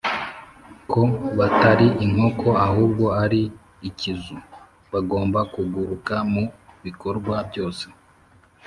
ko batari Inkoko ahubwo ari Ikizu, bagomba kuguruka mu bikorwa byose